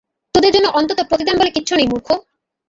তোদের জন্য অনন্ত প্রতিদান বলে কিচ্ছু নেই, মূর্খ!